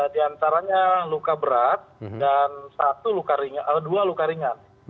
dua diantaranya luka berat dan dua luka ringan